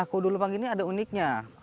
kudu lemang ini ada uniknya